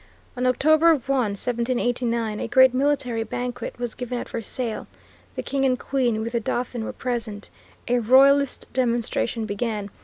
On October 1, 1789, a great military banquet was given at Versailles. The King and Queen with the Dauphin were present. A royalist demonstration began.